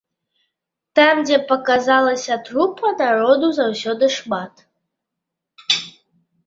Там, дзе паказалася трупа, народу заўсёды шмат.